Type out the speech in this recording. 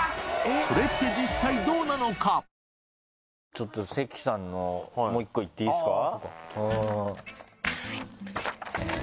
ちょっと関さんのもう１個いっていいですか？